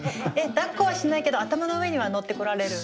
だっこはしないけど頭の上には乗ってこられるんですか？